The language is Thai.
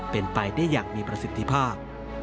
เป็นไปได้อย่างมีประสิทธิภาพ